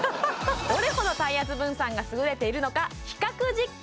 どれほど体圧分散が優れているのか比較実験